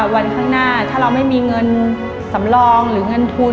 วันข้างหน้าถ้าเราไม่มีเงินสำรองหรือเงินทุน